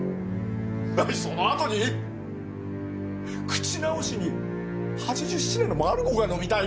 何その後に口直しに８７年の「マルゴー」が飲みたい！？